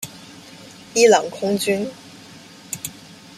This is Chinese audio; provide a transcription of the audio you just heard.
伊朗空军。